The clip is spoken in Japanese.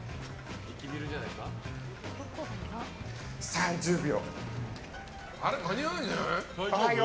３０秒。